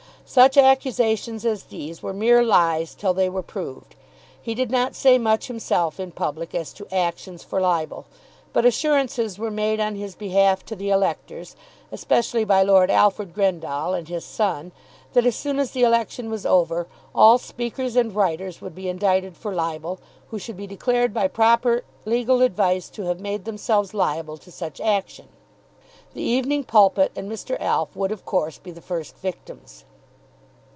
Such accusations as these were mere lies till they were proved. He did not say much himself in public as to actions for libel, but assurances were made on his behalf to the electors, especially by Lord Alfred Grendall and his son, that as soon as the election was over all speakers and writers would be indicted for libel, who should be declared by proper legal advice to have made themselves liable to such action. The "Evening Pulpit" and Mr. Alf would of course be the first victims.